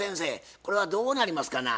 これはどうなりますかな？